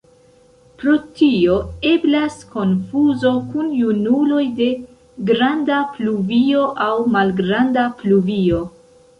Pro tio eblas konfuzo kun junuloj de Granda pluvio aŭ Malgranda pluvio.